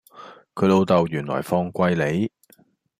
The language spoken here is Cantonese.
佢老豆原來放貴利